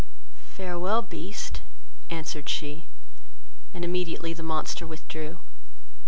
"Farewell, Beast," answered she; and immediately the monster withdrew.